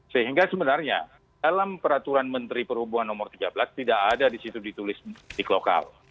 sehingga sebenarnya dalam peraturan menteri perhubungan no tiga belas tidak ada di situ ditulis di klokal